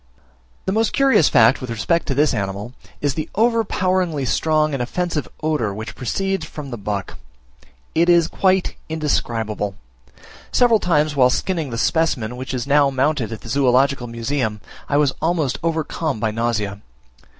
The most curious fact with respect to this animal, is the overpoweringly strong and offensive odour which proceeds from the buck. It is quite indescribable: several times whilst skinning the specimen which is now mounted at the Zoological Museum, I was almost overcome by nausea.